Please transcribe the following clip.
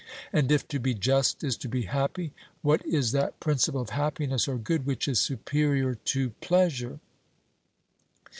and if to be just is to be happy, what is that principle of happiness or good which is superior to pleasure?